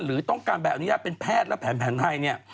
หรือต้องการใบอนุญาตเป็นแพทย์และแผนไทยเนี่ย